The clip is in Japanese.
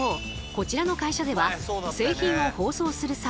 こちらの会社では製品を包装する際